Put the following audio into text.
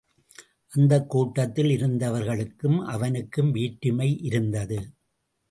அந்தக் கூட்டத்தில் இருந்தவர்களுக்கும் அவனுக்கும் வேற்றுமையிருந்தது.